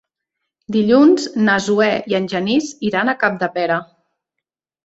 Dilluns na Zoè i en Genís iran a Capdepera.